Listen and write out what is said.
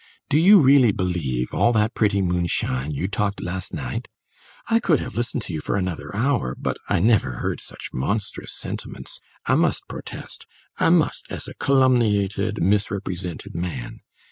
"Do you really believe all that pretty moonshine you talked last night? I could have listened to you for another hour; but I never heard such monstrous sentiments, I must protest I must, as a calumniated, misrepresented man.